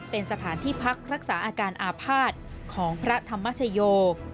เป็นสถานที่พักรักษาอาการอาภาษณ์ของพระธรรมชโย